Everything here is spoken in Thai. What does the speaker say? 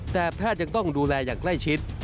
แต่แพทย์ยังต้องดูแลอย่างใกล้ชิด